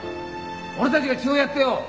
俺たちが血をやってよ